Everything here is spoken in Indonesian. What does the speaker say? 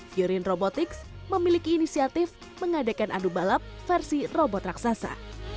fiorin robotics memiliki inisiatif mengadakan adu balap versi robot raksasa